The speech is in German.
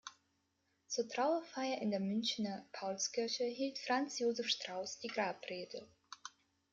Zur Trauerfeier in der Münchener Paulskirche hielt Franz Josef Strauß die Grabrede.